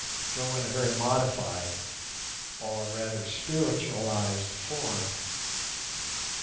though in a very modified or rather spiritualized form.